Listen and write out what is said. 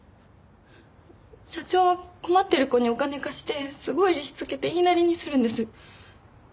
社長は困ってる子にお金貸してすごい利子つけて言いなりにするんです。